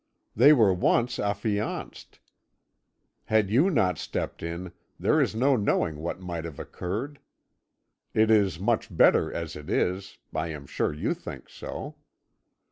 They were once affianced. Had you not stepped in, there is no knowing what might have occurred. It is much better as it is I am sure you think so.